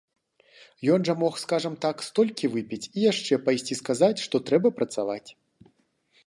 Ён жа мог, скажам так, столькі выпіць і яшчэ пайсці сказаць, што трэба працаваць.